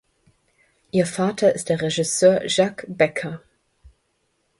Ihr Vater ist der Regisseur Jacques Becker.